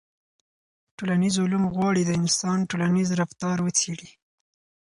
ټولنیز علوم غواړي د انسان ټولنیز رفتار وڅېړي.